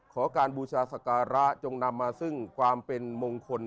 ขอการบูชาสการะจงนำมาซึ่งความเป็นมงคล